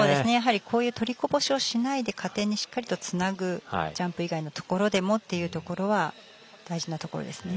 取りこぼしをしないで加点にしっかりとつなぐジャンプ以外のところでもっていうのは大事なところですね。